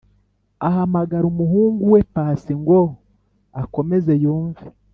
ahamagara umuhunguwe pasi ngo akomeze yumve